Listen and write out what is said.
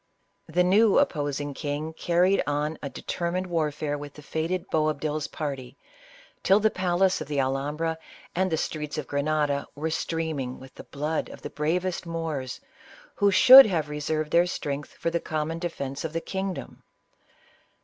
The new opposing king carried on a de termined warfare with the fated Boabdil's party, till the palace of the Alhambra and the streets of Grenada were streaming with the blood of the bravest Moors, who should have reserved their strength for the com mon defence of the kingdom.